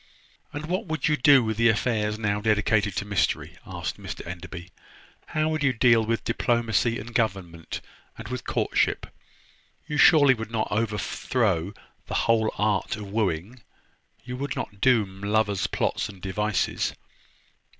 "And what would you do with the affairs now dedicated to mystery?" asked Mr Enderby. "How would you deal with diplomacy, and government, and with courtship? You surely would not overthrow the whole art of wooing? You would not doom lovers' plots and devices?"